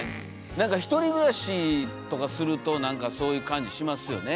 １人暮らしとかするとなんかそういう感じしますよね。